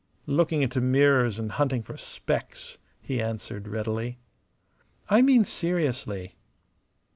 "Looking into mirrors and hunting for specks," he answered, readily. "I mean seriously."